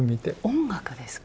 音楽ですか？